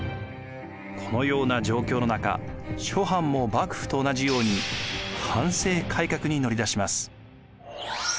このような状況の中諸藩も幕府と同じように藩政改革に乗り出します。